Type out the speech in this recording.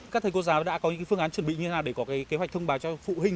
các thầy cô giáo đã có những phương án chuẩn bị như thế nào để có kế hoạch thông báo cho phụ huynh